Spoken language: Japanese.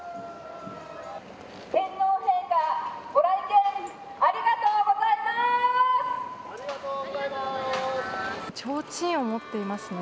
天皇陛下、ご来県ありがとうございます。